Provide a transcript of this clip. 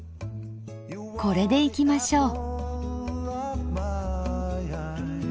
これでいきましょう。